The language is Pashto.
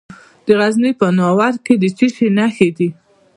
د غزني په ناور کې د څه شي نښې دي؟